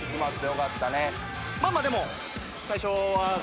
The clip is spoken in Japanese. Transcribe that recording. まあまあでも。